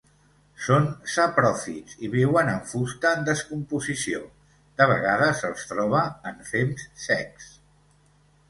Són sapròfits i viuen en fusta en descomposició; de vegades se'ls troba en fems secs.